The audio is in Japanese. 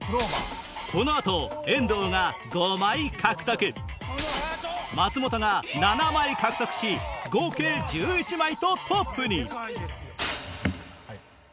この後遠藤が５枚獲得松本が７枚獲得し合計１１枚とトップに！